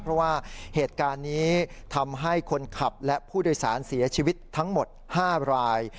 เพราะว่าเหตุการณ์นี้ทำให้คนขับและผู้โดยสารเสียชีวิตทั้งหมด๕ราย